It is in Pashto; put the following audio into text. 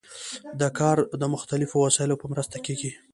دا کار د مختلفو وسایلو په مرسته کیږي.